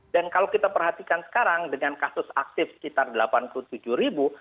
dan kalau kita perhatikan sekarang dengan kasus aktif sekitar delapan puluh tujuh ribu